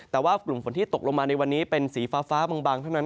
แต่ว่ากลุ่มฝนที่ตกลงมาในวันนี้เป็นสีฟ้าบางเท่านั้น